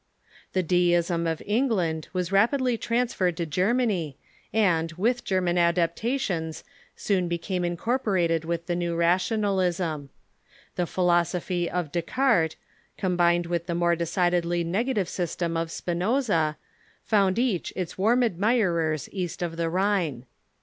The Deism of England was rapidly transferred to Germany, and, with Ger man adaptations, soon became incorporated with tlie new Ra tionalism. The philosophy of Des Cartes, combined with the more decidedly negative system of Spinoza, found each its warm admirers cast of the Rhine.